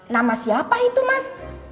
nama siapa itu mas